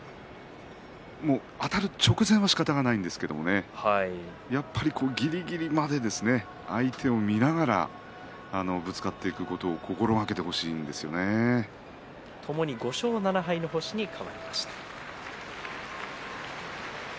あたる直前はしかたがないんですけどねやっぱりぎりぎりまで相手を見ながらぶつかっていくことをともに５勝７敗の星となりました。